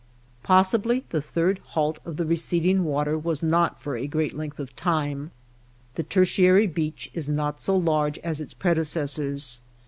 Possibly the third halt of the receding water was not for a great length of time. The tertiary beach is not so large as its predecessors.